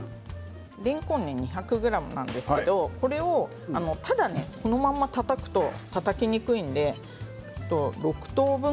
れんこん２００ｇなんですがこれをただ、このままたたくとたたきにくいので６等分。